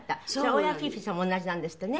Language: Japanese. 欧陽菲菲さんも同じなんですってね。